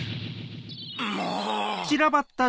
もう！